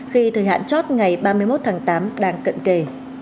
khi thời hạn chót ngày ba mươi một tháng tám đang cận kề